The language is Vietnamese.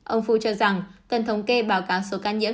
ông fu cho rằng cần thống kê báo cáo số ca nhiễm